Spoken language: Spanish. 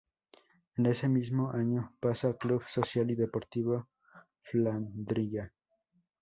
En ese mismo año pasa a Club Social y Deportivo Flandria.